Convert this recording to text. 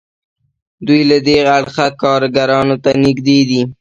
دوی له دې اړخه کارګرانو ته نږدې دي.